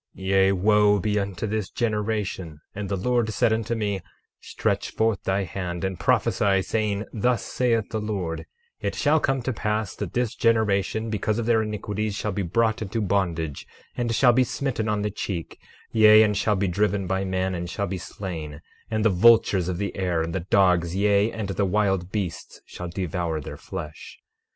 12:2 Yea, wo be unto this generation! And the Lord said unto me: Stretch forth thy hand and prophesy saying: Thus saith the Lord, it shall come to pass that this generation, because of their iniquities, shall be brought into bondage, and shall be smitten on the cheek; yea, and shall be driven by men, and shall be slain; and the vultures of the air, and the dogs, yea, and the wild beasts, shall devour their flesh.